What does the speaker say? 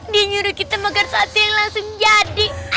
dia nyuruh kita makan sate yang langsung jadi